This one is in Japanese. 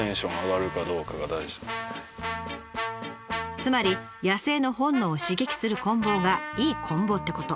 つまり野性の本能を刺激するこん棒がいいこん棒ってこと。